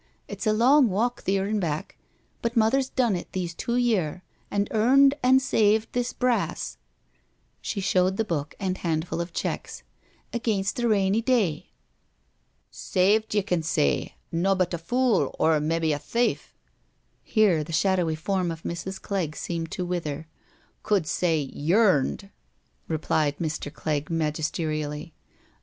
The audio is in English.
It's a long walk, theer an' back, but Mother's done it these two year, an' earned an' saved this brass "—she showed the book and handful of checks —" against a rainy day. Saved ye can say— nobbut a fool, or mebbe a thief "—here the shadowy form of Mrs. Clegg seemed to wither —" could say yearned,'* replied Mr. Clegg magisterially.